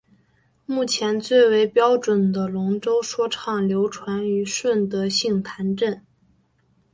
目前最为标准的龙舟说唱流传于顺德杏坛镇。